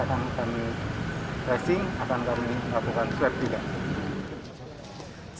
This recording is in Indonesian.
akan kami tracing akan kami lakukan swab juga